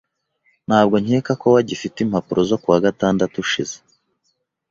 Ntabwo nkeka ko wagifite impapuro zo kuwa gatandatu ushize?